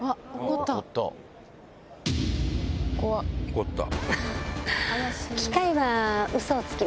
怒った。